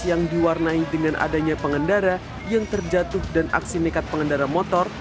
yang diwarnai dengan adanya pengendara yang terjatuh dan aksi nekat pengendara motor